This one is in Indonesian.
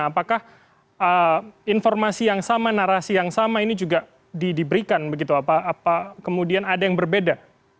apakah informasi yang sama narasi yang sama ini juga diberikan begitu apa kemudian ada yang berbeda